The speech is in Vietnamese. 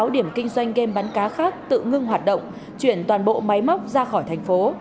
một trăm năm mươi sáu điểm kinh doanh game bán cá khác tự ngưng hoạt động chuyển toàn bộ máy móc ra khỏi thành phố